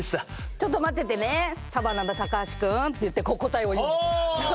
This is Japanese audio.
「ちょっと待っててねサバンナの高橋君」っていって答えを言うは！